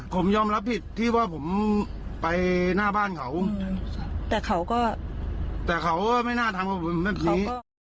ผมยอมรับผิดที่ว่าผมไปหน้าบ้านเขาแต่เขาก็แต่เขาก็ไม่น่าทำกับผมแบบนี้